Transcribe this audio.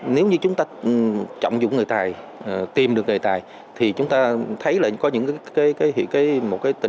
nếu chúng ta cứ tính theo một cái